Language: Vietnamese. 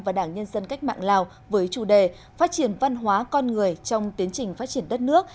và đảng nhân dân cách mạng lào với chủ đề phát triển văn hóa con người trong tiến trình phát triển đất nước